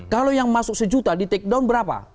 kalau yang masuk sejuta di takedown berapa